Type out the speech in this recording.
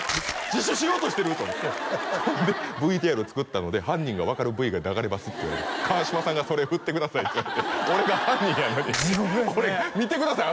自首しようとしてる！と思ってほんで「ＶＴＲを作ったので犯人が分かるＶが流れます」って「川島さんがそれ振ってください」って言われて俺が犯人やのにこれ見てください